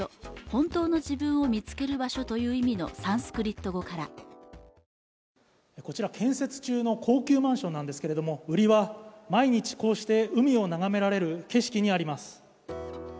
本当の自分を見つける場所という意味のサンスクリット語からこちら建設中の高級マンションなんですけれども売りは毎日こうして海を眺められる景色にあります